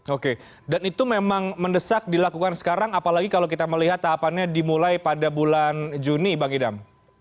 oke dan itu memang mendesak dilakukan sekarang apalagi kalau kita melihat tahapannya dimulai pada bulan juni bang idam